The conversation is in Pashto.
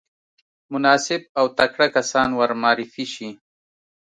مناسب او تکړه کسان ورمعرفي شي.